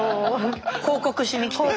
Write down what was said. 報告しに来て。